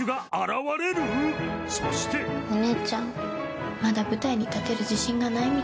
そしてお姉ちゃんまだ舞台に立てる自信がないみたい。